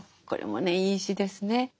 これもねいい詩ですね。